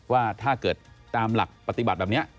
ว่าถ้าเกิดตามหลักปฏิบัติแบบนี้